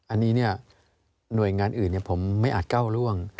อันนี้หน่วยงานอื่นผมไม่อาจก้าวร่วง